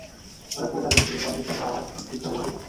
হঠাৎ করে তার কাছ থেকে পদ ভিক্ষা চাওয়ার ইচ্ছা হলো যে?